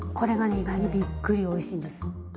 意外にびっくりおいしいんです。